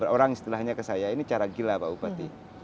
orang istilahnya ke saya ini cara gila pak bupati